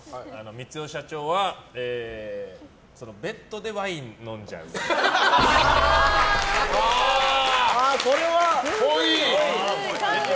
光代社長はベッドでワイン飲んじゃう。っぽい！